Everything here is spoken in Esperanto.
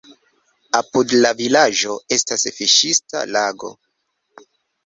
Apud la vilaĝo estas fiŝista lago.